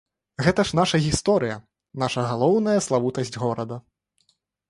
Гэта ж наша гісторыя, наша галоўная славутасць горада.